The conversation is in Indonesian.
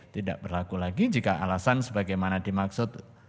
tidak berlaku lagi jika alasan sebagaimana dimaksud